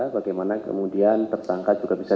bagaimana kemudian tersangka juga bisa